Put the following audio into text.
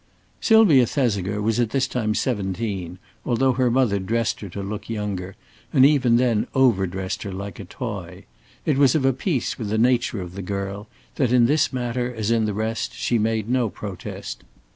Sylvia Thesiger was at this time seventeen, although her mother dressed her to look younger, and even then overdressed her like a toy. It was of a piece with the nature of the girl that, in this matter as in the rest, she made no protest.